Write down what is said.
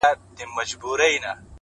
د ساده توب ځواک ذهن روښانه کوي’